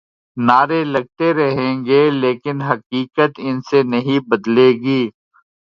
نعرے لگتے رہیں گے لیکن حقیقت ان سے نہیں بدلے گی۔